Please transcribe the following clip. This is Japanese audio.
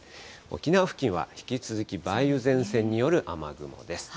沖縄付近は引き続き梅雨前線による雨雲です。